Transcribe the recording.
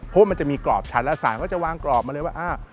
เพราะว่ามันจะมีกรอบชั้นแล้วสารก็จะวางกรอบมาเลยว่า